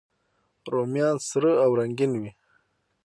رومیان سره او رنګین وي